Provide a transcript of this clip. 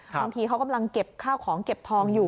บางทีเขากำลังเก็บข้าวของเก็บทองอยู่